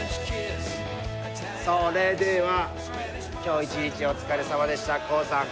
それでは今日一日お疲れさまでした。